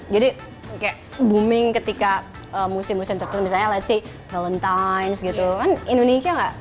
jadi kayak booming ketika musim musim tertentu misalnya let's see valentine's gitu kan indonesia nggak